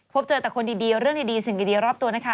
พบเจอแต่คนดีเรื่องดีสิ่งดีรอบตัวนะคะ